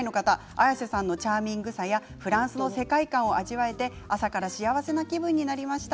綾瀬さんのチャーミングさやフランスの世界観が味わえて朝から幸せな気分になりました。